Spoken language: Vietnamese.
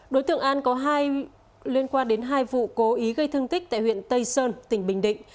đối tượng an có hai liên quan đến hai vụ cố ý gây thương tích tại huyện tây sơn tỉnh bình định